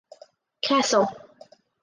Kassel.